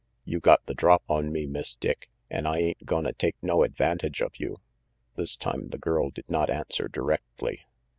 "You got the drop on me, Miss Dick, an' I ain't gonna take no advantage of you." This tune the girl did not answer directly.